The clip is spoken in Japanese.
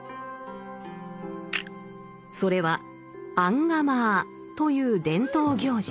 それは「アンガマア」という伝統行事。